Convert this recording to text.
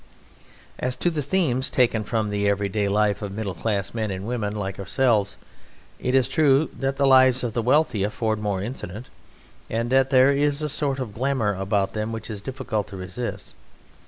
As to the themes taken from the everyday life of middle class men and women like ourselves, it is true that the lives of the wealthy afford more incident, and that there is a sort of glamour about them which it is difficult to resist.